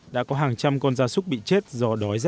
đã có hàng trăm con gia súc bị chết do đói z